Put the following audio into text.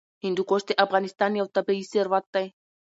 هندوکش د افغانستان یو طبعي ثروت دی.